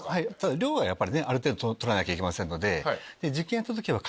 量がやっぱりある程度取らなきゃいけませんので。